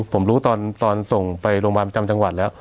ผมรู้ตอนส่งไปโรงพยาบาลประจำจังหวัดแล้ว